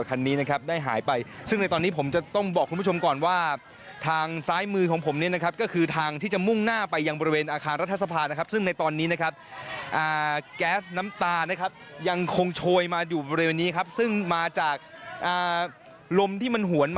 ขันนี้นะครับได้หายไปซึ่งในตอนนี้ผมจะต้องบอกคุณผู้ชมก่อนว่าทางซ้ายมือของผมนะครับก็คือทางที่จะมุ่งหน้าไป